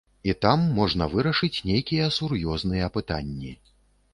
І там можна вырашыць нейкія сур'ёзныя пытанні.